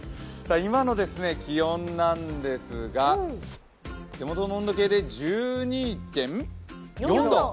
今の気温なんですが、手元の温度計で１２．４度。